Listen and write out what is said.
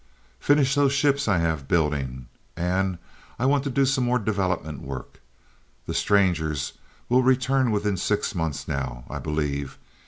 "Finish those ships I have building. And I want to do some more development work. The Stranger will return within six months now, I believe.